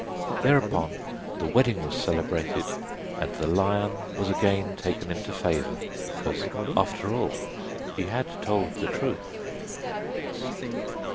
Thereupon the wedding was celebrated, and the lion was again taken into favour, because, after all, he had told the truth.